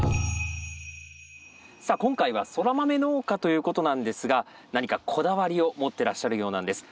さあ今回はソラマメ農家ということなんですが何かこだわりを持ってらっしゃるようなんです。